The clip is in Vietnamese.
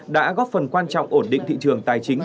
đã góp phần quan trọng ổn định thị trường tài chính